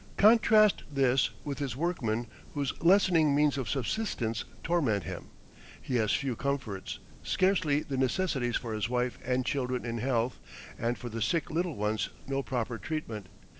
Contrast this with his workman whose lessening means of subsistence torment him. He has few comforts, scarcely the necessities for his wife and children in health, and for the sick little ones no proper treatment.